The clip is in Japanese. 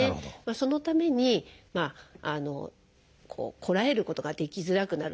そのためにこらえることができづらくなると。